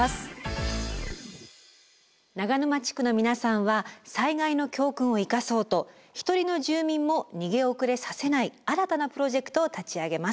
長沼地区の皆さんは災害の教訓を生かそうと一人の住民も逃げ遅れさせない新たなプロジェクトを立ち上げます。